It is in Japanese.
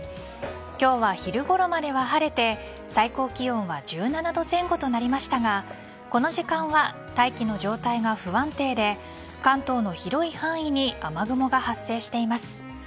今日は昼ごろまでは晴れて最高気温は１７度前後となりましたがこの時間は大気の状態が不安定で関東の広い範囲に雨雲が発生しています。